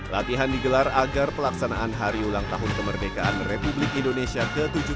latihan digelar agar pelaksanaan hari ulang tahun kemerdekaan republik indonesia ke tujuh puluh dua